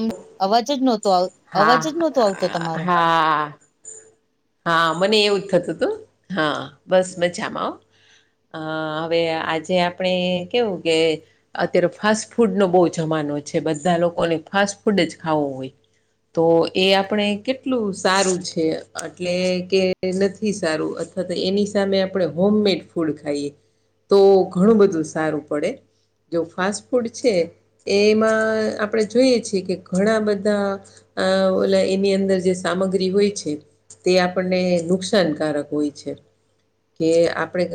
[unintelligible] અવાજ જ નહોતો આવ, અવાજ હા જ નહોતો આવતો તમારો. હા હા મને એવું જ થતું હતું હા બસ મજામાં હ. હ હવે આજે આપણે કેવું કે અત્યારે ફાસ્ટ ફૂડ નો બહુ જમાનો છે બધા લોકોને ફાસ્ટ ફૂડ જ ખાવો હોય. તો એ આપણે કેટલું સારું છે. એટલે કે નથી સારું અથવા તો એની સામે આપડે હોમ મેડ ફૂડ ખાઈએ. તો ઘણું બધું સારું પડે, જો ફાસ્ટ ફૂડ છે. એમાં આપડે જોઈએ છે કે ઘણા બધા અ ઓલા એની અંદર જે સામગ્રી હોય છે. તે આપણને નુકસાનકારક હોય છે. કે આપડે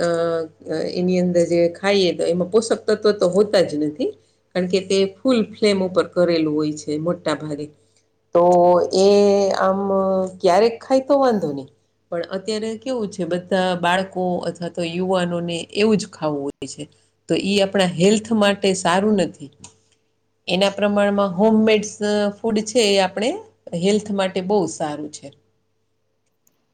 અ એની અંદર જે ખાઈએ તો એમાં પોષક તત્વ તો હોતા જ નથી. કારણ કે તે ફૂલ ફ્લેમ ઉપર કરેલું હોય છે મોટા ભાગે. તો એ આમ ક્યારેક ખાય તો વાંધો ની. પણ અત્યારે કેવું છે બધા બાળકો અથવા તો યુવાનોને એવું જ ખાવું હોય છે. તો ઈ આપણા હેલ્થ માટે સારું નથી. એના પ્રમાણમાં હોમમેડ્સ ફૂડ છે એ આપણે હેલ્થ માટે બહુ સારું છે.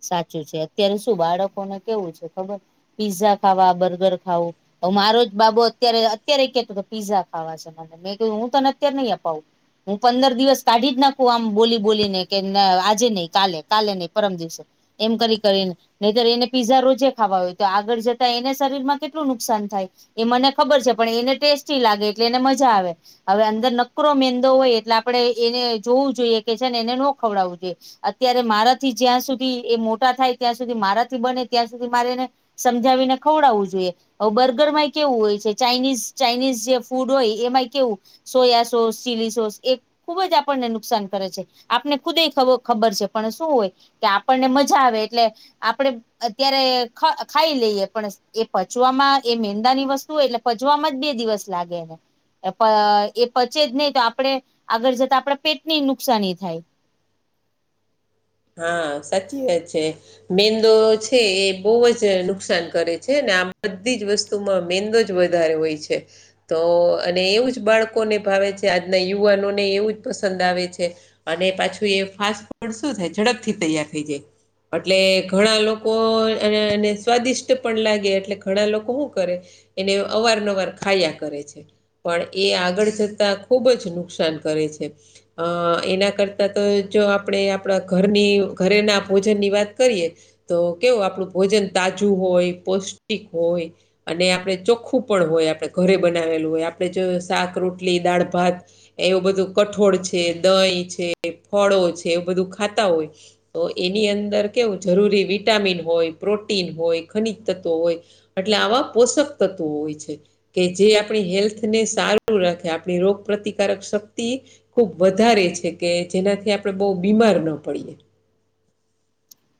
સાચું છે અત્યારે શું બાળકોને કેવું છે ખબર પીઝા ખાવા બર્ગર ખાવું. હવ મારો જ બાબુ અત્યારે અત્યારે કેતો તો પીઝા ખાવા છે મને મેં કીધું હું તને અત્યારે નહી અપાવું. હું પંદર દિવસ કાઢી જ નાખું આમ બોલી બોલીને કે ના આજે નહી કાલે, કાલે નહી પરમ દિવસે. એમ કરી કરીન નહીતર એને પીઝા રોજે ખાવા હોય તો આગળ જતા એને શરીરમાં કેટલું નુકસાન થાય. એ મને ખબર છે પણ એને ટેસ્ટી લાગે એટલે એને મજા આવે. હવે અંદર નકરો મેંદો હોય એટલે આપડે એને જોવું જોઈએ કે છે ને એને નો ખવડાવવું જોઈએ. અત્યારે મારાથી જ્યાં સુધી એ મોટા થાય ત્યાં સુધી મારાથી બને ત્યાં સુધી મારે એને સમજાવીને ખવડાવવું જોઈએ. હવ બર્ગરમાં કેવું હોય ચાાઈનીઝ ચાાઈનીઝ જે ફૂડ હોય એમાંય કેવું સોયા સોસ ચીલી સોસ એક ખુબ જ આપણને નુકસાન કરે છે આપને ખુદ એ ખબ ખબર છે પણ શું હોય કે આપણને મજા આવે એટલે આપડે અત્યારે ખ ખાઈ લઈએ પણ એ પચવામાં એ મેંદા ની વસ્તુ હોય એટલે પચવામાં જ બે દિવસ લાગે એને. અ પ એ પચે જ નહી તો આપડે આગળ જતા આપડે પેટની નુકસાની થાય. હા સાચી વાત છે. મેંદો છે એ બહુ જ નુકસાન કરે છે ને આ બધી જ વસ્તુ માં મેંદો જ વધારે હોય છે. તો અને એવું જ બાળકોને ભાવે છે આજના યુવાનોને એવું જ પસંદ આવે છે. અને પાછું એ ફાસ્ટ ફૂડ શું થાય ઝડપથી તૈયાર થઈ જાય. એટલે ઘણા લોકો એને સ્વાદિષ્ટ પણ લાગે એટલે ઘણા લોકો શું કરે. એને અવારનવાર ખાયા કરે છે. પણ એ આગળ જતાં ખુબ જ નુકસાન કરે છે. અ એના કરતાં તો જો આપણે આપણા ઘરની ઘરેના ભોજનની વાત કરીએ. તો કેવું આપણું ભોજન તાજું હોય પૌષ્ટિક હોય. અને આપણે ચોખ્ખુ પણ હોય આપણે ઘરે બનાવેલુ હોય આપણે જો શાક રોટલી દાળ ભાત એવુ બધુ કઠોળ છે દહીં છે ફળો છે એવુ બધુ ખાતા હોય. તો એની અંદર કેવુ જરૂરી વિટામિન હોય, પ્રોટીન હોય, ખનીજ તત્વ હોય એટલે આવા પોષક તત્વો હોય છે. કે જે આપણી હેલ્થને સારું રાખે આપણી રોગ પ્રતિકારક શક્તિ ખુબ વધારે છે, કે જેનાથી આપણે બો બીમાર ન પડીએ.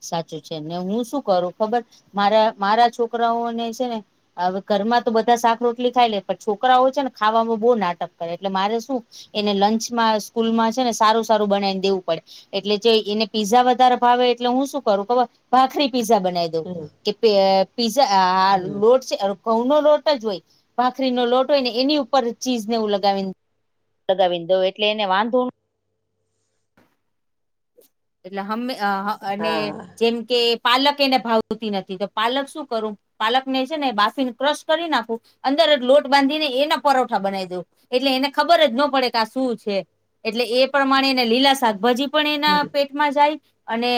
સાચુ છે, ને હું શુ કરુ ખબર મારા મારા છોકરાઓને છે, ને અવે ઘરમાં તો બધા શાક રોટલી ખાઈ લે પણ છોકરાઓ હોય છે, ને ખાવામાં બો નાટક કરે એટલે મારે શું એને લંચમાં સ્કૂલમાં છે, ને સારુ સારુ બનાયન દેવુ પડે એટલે જે એને પીઝા વધારે ભાવે એટલે હું શું કરુ ખબર ભાખરી પિઝા બનાવી દઉ હમ કે પે પિઝા આ હમ લોટ છે. ઘઉંનો લોટ જ હોય ભાખરીનો લોટ હોય ને એની ઉપર ચીઝ ને એવુ લગાવીન લગાવીન દવ એટલે એને વાંધો એટલે હમે અ અ અને હા જેમ કે પાલક એને ભાવતી નથી તો પાલક શું કરુ પાલકને છે, ને બાફીને ક્રશ કરી નાખું અંદર જ લોટ બાંધી ને એના પરોઠા બનાવી દવ એટલે એને ખબર જ ન પડે કે આ શું છે. એટલે એ પ્રમાણે એને લીલા શાકભાજી પણ હમ એના પેટમાં જાય અને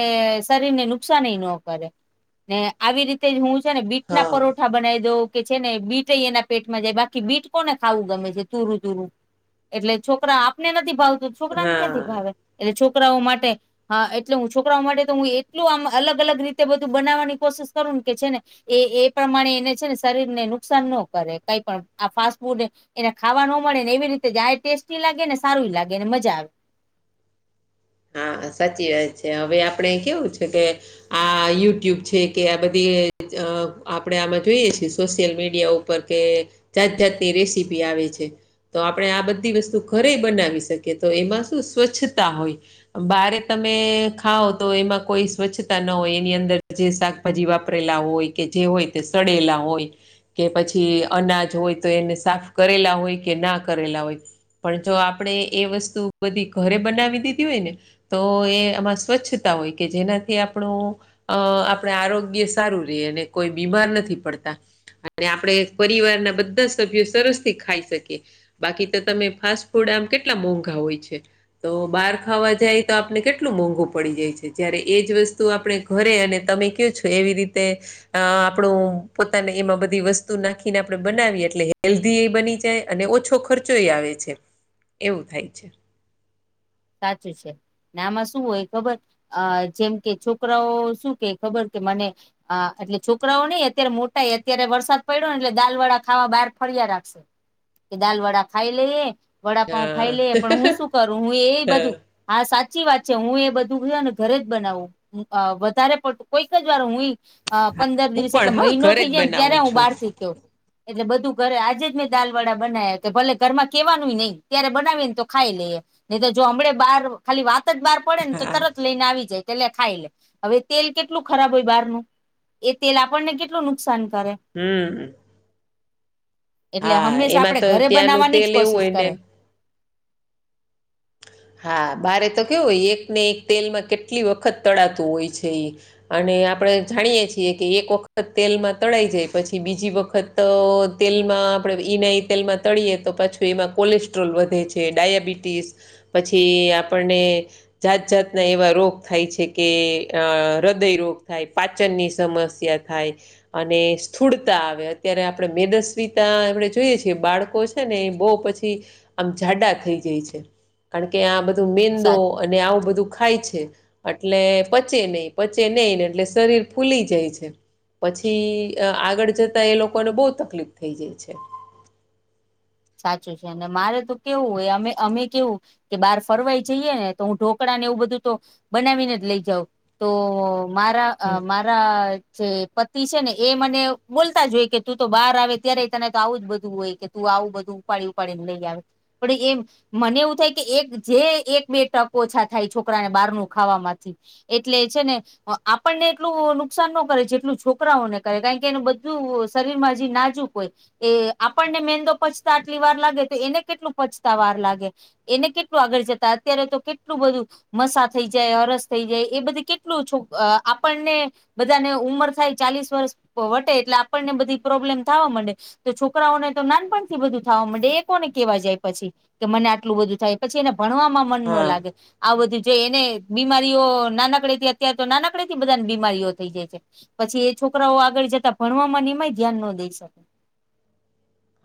શરીરને નુકસાનેય ન કરે ને આવી રીતે હું છે, ને બીટના હા પરોઠા બનાવી દઉં કે છે, ને બીટ એના પેટમાં જાય બાકી બીટ કોને ખાવુ ગમે છે, તુરુ તુરુ એટલે છોકરા આપને નથી ભાવતું છોકરાને હા. ક્યાંથી ભાવે એટલે છોકરાઓ માટે હા એટલે હું છો કરાઓ માટે તો હું એટલું આમ અલગ અલગ રીતે બધું બનાવવાની કોશિશ કરું ને કે છે, ને એ એ પ્રમાણે એને છે, ને શરીરને નુકસાન ન કરે કઈ પણ આ ફાસ્ટ ફૂડ એને ખાવા ન મળે ને એવી રીતે આય ટેસ્ટી લાગે ને સારું લાગે અને મજા આ હા સાચી વાત છે, હવે આપણે કેવું છે, કે આ યુટ્યુબ છે, કે આ બધી અ આપણેે આમાં જોઈએ છીએ સોશિયલ મીડિયા ઉ પર કે જાત જાતની રેસીપી આવે છે. તો આપણે આ બધી વસ્તુ ઘરે બનાવી શકીએ તો એમાં શું સ્વચ્છતા હોય બારે તમે ખાઓ તો એમાં કોઈ સ્વચ્છતા ન હોય એની અંદર જે શાકભાજી વાપરેલા હોય કે જે હોય તે સડેલા હોય કે પછી અનાજ હોય તો એને સાફ કરેલા હોય કે ના કરેલા હોય પણ જો આપડે એ વસ્તુ બધી ઘરે બનાવી દી ધી હોય ને તો એ આમાં સ્વચ્છતા હોય કે જેનાથી આપણું અ આપણે આરોગ્ય સારું રિયે અને કોઈ બીમાર નથી પડતા. અને આપણે પરિવારના બધા સભ્યો સરસથી ખાઈ શકીએ. બાકી તો તમે ફાસ્ટ ફૂડ આમ કેટલા મોંઘા હોય છે, તો બાર ખાવા જાય તો આપને કેટલું મોંઘું પડી જાય છે, જ્યારે એ જ વસ્તુ આપણે ઘરે અને તમે કયો તો એવી રીતે અ આપણું પોતાને એમાં બધી વસ્તુ નાખીને આપણે બનાવીએ એટલે હેલ્ધી એ બની જાય અને ઓછો ખર્ચોય આવે છે, એવુ થાય છે. સાચું છે. નામાં શું હોય ખબર અ જેમ કે છોકરાઓ શું કે ખબર કે મને અ એટલે છોકરાઓ નઈ અત્યારે મોટા અત્યારે વરસાદ પડ્યો ને એટલે દાલવાળા ખાવા બાર ફર્યા રાખશે કે દાલ વડા ખાઈ લે વડાપઉ ખાઈ હા લે પણ હું શું કરું હું એ બધું હા સાચી વાત છે, હું એ બધુંયો છે, ને ઘરે જ બનાવું અ વધારે પડતું કોઈક જ વાર હુંય અ પંદર હું દિવસે કે, પણ હા મહિનો ઘરે થઇ જ જાયને, ત્યારે બનાવું હું છું બાર થી ખાઉ. એટલે, બધું ઘરે આજે જ મેં દાલવડા બનાવ્યા, તો ભલે ઘરમાં કેવાનુંઈ નહી, ત્યારે બનાવી ને તો ખાઈ લે. નહી તો, જો હમડે બહાર, ખાલી વાત જ બહાર પડે ને, તો હા તરત- -લઈને આવી જાય, કે લે ખાઈ લે, હવે તેલ કેટલું ખરાબ હોય બહારનું. એ તેલ, આપણને કેટલું નુકસાન કરે? હમ એટલે, હા હંમેશા એમાં આપડે તો ઘરે ત્યાંનું બનાવાની તેલ જ એવું હોય કોશિશ ને કરે. હા, બારે તો કેવું હોય, એક ને એક તેલમાં કેટલી વખત તળાતું હોય છે એ! અને, આપણે જાણીએ છીએ કે, એક વખત તેલમાં તળાઈ જાય પછી બીજી વખત- -તો તેલમાં આપણે ઈનાય તેલમાં તળીએ, તો પાછું એમાં કોલેસ્ટ્રોલ વધે છે ડાયાબિટીસ- પછી આપણને- જાત જાતના રોગ થાય છે, આ હૃદય રોગ થાય પાચનની સમસ્યા- -સ્યા થાય. -અને સ્થૂળતા આવે, અત્યારે આપણે મેદસ્વીતા આપડે જોઈએ છીએ, બાળકો -છે ને એ બહુ પછી, આમ જાડા થઈ જાય છે. કારણ કે, આ બધું મેંદો સાચું અને આવું બધું ખાય છે. એટલે પચે નહી, પચે નહીને એટલે શરીર ફૂલી જાય છે. પછી, આગળ જતા એ લોકોને, બહુ તકલીફ થઈ જાય છે. સાચું છે, અને મારે તો કેવું હોય અમે અમે કેવું - -કે બહાર ફરવાઈ જઈએ ને, તો હું ઢોકળા ને એવું બધું તો બનાવીને જ લઈ જાઉ. તો, મારા અ હમ મા- -રા જે, પતિ છે ને, એ મને બોલતા જ હોય કે, તું તો બહાર આવે ત્યારે તને તો આવું જ બધું હોય! તું, આવું બધું ઉપાડી ઉપાડીને, લઈ આવે પણ એમ- મને એવું થાય કે, એક જે એક બે ટક ઓછા થાય છોકરાને બારનું ખાવા થી. એટલે, છે ને- આપણને એટલું નુકસાન નો કરે જેટલુ છોકરાઓને કરે કારણ કે એને બધું- -શરીર હજી નાજુક હોય એ આપણને મેંદો પચ- -આટલી વાર લાગે તો એને કેટલું પચતા વાર લાગે? એને કેટલું, આગળ જતા, અત્યારે તો કેટલું બધું! મસા થઈ જાય, હરસ થઈ જાય, એ બધું કેટલું છો આપણને- બધા ને ઉમર થાય, ચાલીસ વર્ષ વટે, એટલે આપણને બધી પ્રોબ્લેમ થવા માંડે. તો છોકરાઓને તો નાનપણ- બધું થવા માં એ કોને કેહેવા જાય પછી? કે મને આટલું બધું થાય પછી એને ભણવાવામાં- -મન હા ન લાગે- આ બધું જે, એને બીમારીઓ નાનકડે થી, અત્ય્યારે તો નાનકડે થી બધા બીમારીઓ થઈ જાય છે પછી એ છોકરાઓ આગળ જતા ભણવામા એમાંય ધ્યાન ન દઈ શકે.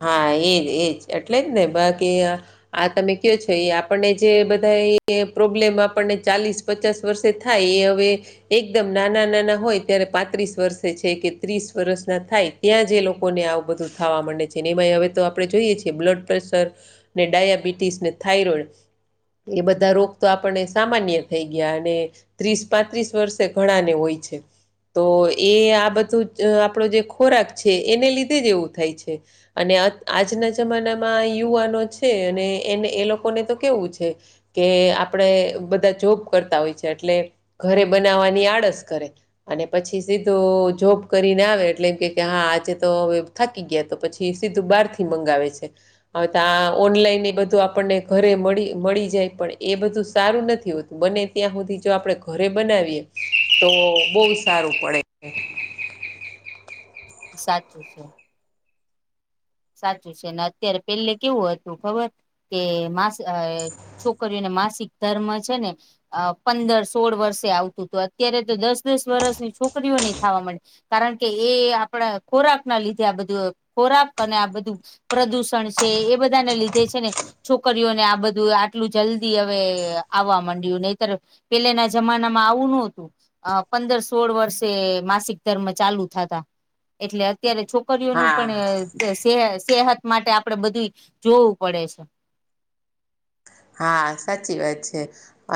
હા, એજ, એજ એટલે જ ને, બાકી- આ તમે કયો છો, એ આપણને જે બધા પ્રોબ્લેમ આપણને ચાલીસ- પચાસ વર્ષે થાય, એ હવે- એકદમ નાના નાના હોય ત્યારે- પાંત્રીસ વર્ષે છે કે ત્રીસ વર્ષ ના થાય, ત્યાં જે, લોકો ને આવું બધું થવા માંડે છે. જેનેમાય હવે તો આપણે જોઈએ, છીએ, બ્લડપ્રેશર ડાયાબિટીસ, ને થાઈરોઈડ. એ બધા રોગ, તો આપણને સામાન્ય થઈ ગયા અને- ત્રીસ, પાંત્રીસ વર્ષે ઘણાને હોય છે. તો એ આ બધું આપણો જે ખોરાક છે, એને લીધે જ એવું થાય છે. અને આ આજના જમાનામાં યુવાનો છે અને એલોકોને તો કેવું છે. કે આપણે બધા જોબ કરતા હોય છે એટલે ઘરે બનાવવાની આળસ કરે, અને પછી સીધું જોબ કરીને આવે એટલે એમ કે હા આજે તો હવે થાકી ગયા તો પછી, તે સીધું બાર થી મંગાવે છે, હવે તો આ ઓનલાઈન એ બધું આપણને ઘરે મળી મળી જાય પણ એ બધું સારું નથી હોતું. બને ત્યાં સુધી જો આપણે ઘરે બનાવીએ તો બહુ સારું પડે, સાચું છે. સાચું છે ને અત્યારે પેલે કેવું હતું ખબર, કે માસી છોકરીઓને માસિક ધર્મ છે ને, અ પંદર સોળ વર્ષે આવતું હતું અત્યારે તો દસ દસ વર્ષની છોકરીઓ નહી થાવા મ કારણ કે એ આપણા ખોરાક ના લીધે આ બધું ખોરાક, અને આ બધું પ્રદુષણ છે એ બધાને લીધે છે ને, છોકરીઓને આ બધું આટલું જલ્દી હવે આવવા માંડ્યુ નહીતર, પેલાના જમાના માં આવું ન હતું. અ પંદર સોળ વર્ષે માસિક ધર્મ ચાલુ થતા એટલે અત્યારે છોક છોકરીઓ નું હા પણ સેહ સેહત માટે આપડે બધું જોવું પડે છે. હા સાચી વાત છે.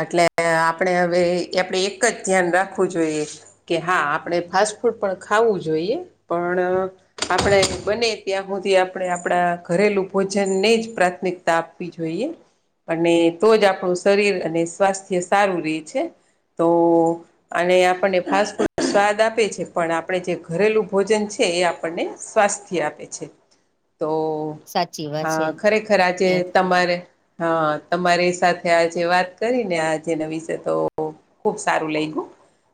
એટલે આપણે હવે આપણે એક જ ધ્યાન રાખવું જોઈએ, કે હા આપણે ફાસ્ટ ફૂડ પણ ખાવું જોઈએ પણ, આપણે બને ત્યાં હુંધી આપણે આપણા ઘરેલું ભોજનને જ પ્રાથમિકતા આપવી જોઈએ, અને તો જ આપણું શરીર અને સ્વાસ્થ્ય સારું રહે છે તો, અને આપણને ફાસ્ટ ફૂડ સ્વાદ આપે છે પણ આપણે જે ઘરેલું ભોજન છે એ આપણને, સ્વાસ્થ્ય આપે છે તો સાચી વાત છે ખરેખર આજે એ તમારે, હા તમારી સાથે આજે વાત કરી આ જે ના વિશે તો, ખુબ સારું લાગ્યું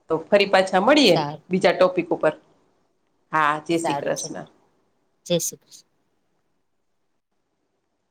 તો ફરી પાછા મળીએ સારું બીજા ટોપિક ઉપર, હા જય શ્રી સારું છે કૃષ્ણ. જય શ્રી કૃષ્ણ.